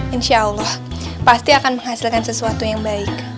insya allah pasti akan menghasilkan sesuatu yang baik